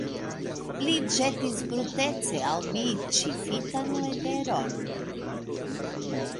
Li ĵetis brutece al mi ĉifitan leteron.